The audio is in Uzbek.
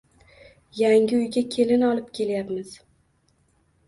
Yangi uyga kelin olib kelayapmiz